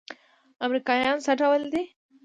امريکايان څه ډول دي؟